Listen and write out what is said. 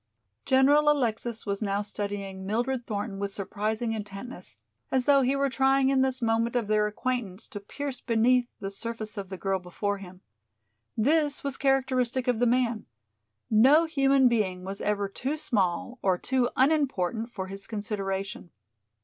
General Alexis was now studying Mildred Thornton with surprising intentness, as though he were trying in this moment of their acquaintance to pierce beneath the surface of the girl before him. This was characteristic of the man. No human being was ever too small or too unimportant for his consideration.